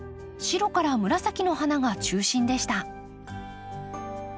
白から紫の花が中心でした。